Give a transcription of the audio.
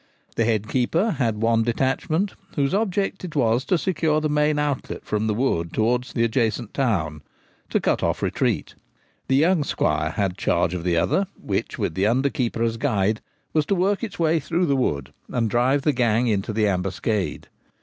The head keeper had one detachment, whose object it was to secure the main outlet from the wood towards the adjacent town — to cut off retreat. The young squire had charge of the other, which, with the under keeper as guide, was to work its way through the wood and drive the gang into the ambuscade.